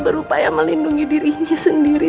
berupaya melindungi dirinya sendiri